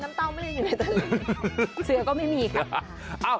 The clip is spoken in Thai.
น้ำเต้าไม่เลี่ยงอยู่ในทะเลเสือก็ไม่มีค่ะ